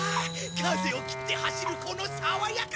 風を切って走るこの爽やかさ！